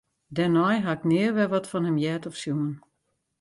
Dêrnei ha ik nea wer wat fan him heard of sjoen.